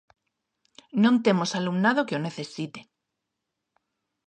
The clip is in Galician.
Non temos alumnado que o necesite.